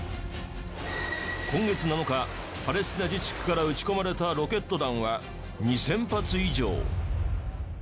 今月７日パレスチナ自治区から撃ち込まれたロケット弾は２０００発以上。